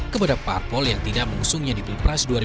kepada parpol yang tidak mengusungnya di pilpres dua ribu sembilan belas